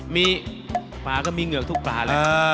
มีปลาก็มีเหงือกทุกปลาแล้ว